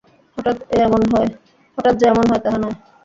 হঠাৎ যে এমন হয়, তাহা নয়।